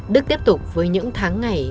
đức tiếp tục với những tháng ngày